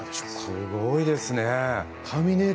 すごいですね。